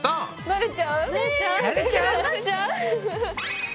なれちゃう？